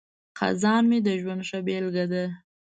خزان مې د ژوند ښه بیلګه ده.